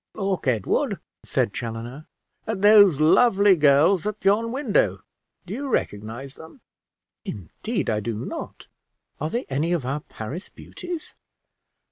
"Look, Edward," said Chaloner, "at those lovely girls at yon window. Do you recognize them?" "Indeed I do not. Are they any of our Paris beauties?"